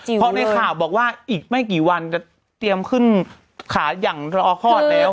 เพราะในข่าวบอกว่าอีกไม่กี่วันจะเตรียมขึ้นขาอย่างละออคลอดแล้ว